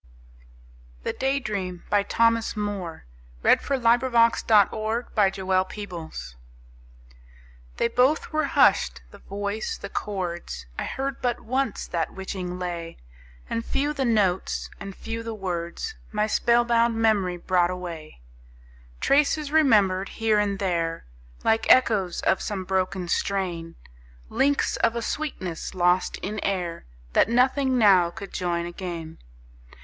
orn the evils, Dire as they are, of Critics and Blue Devils. THE DAY DREAM. They both were husht, the voice, the chords, I heard but once that witching lay; And few the notes, and few the words. My spell bound memory brought away; Traces, remembered here and there, Like echoes of some broken strain; Links of a sweetness lost in air, That nothing now could join again.